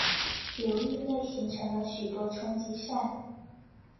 流域内形成了许多冲积扇。